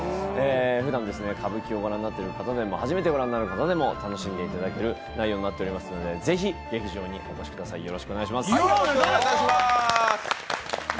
ふだん歌舞伎をご覧になっている方でも、初めてご覧になる方でも楽しんでいただける内容となつておりますのでぜひ劇場にお越しください、よろしくお願いします。